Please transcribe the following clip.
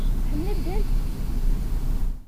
Tḥemmel addal?